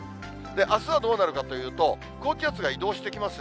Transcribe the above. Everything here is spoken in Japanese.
あすはどうなるかというと、高気圧が移動してきますね。